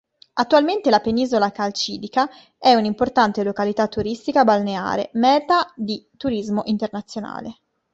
Attualmente la penisola Calcidica è un'importante località turistica balneare, meta di turismo internazionale.